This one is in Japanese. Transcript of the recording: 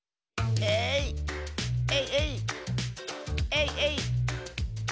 えいえいっ！